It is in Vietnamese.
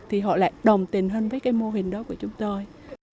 thì họ lại đồng tình hơn với cái mô hình đó của chúng tôi